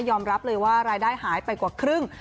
อมรับเลยว่ารายได้หายไปกว่าครึ่ง